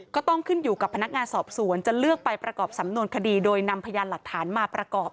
ก็ต้องขึ้นอยู่กับพนักงานสอบสวนจะเลือกไปประกอบสำนวนคดีโดยนำพยานหลักฐานมาประกอบ